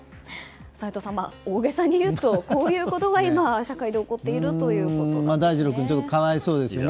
齋藤さん、大げさに言うとこういうことが今、社会で起こっているということですね。